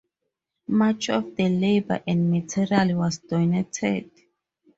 Much of the labor and material was donated.